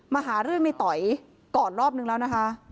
มาหาเรื่องในต่อยก่อนรอบนึงแล้วนะคะ